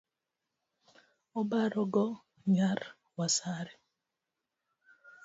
Obarogo nyar wasare